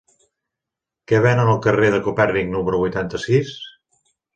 Què venen al carrer de Copèrnic número vuitanta-sis?